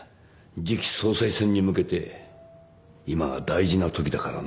次期総裁選に向けて今が大事なときだからな。